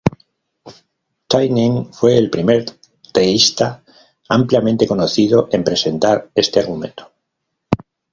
Tennant fue el primer teísta ampliamente conocido en presentar este argumento.